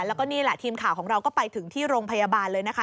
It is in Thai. แล้วก็นี่แหละทีมข่าวของเราก็ไปถึงที่โรงพยาบาลเลยนะคะ